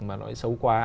mà nói xấu quá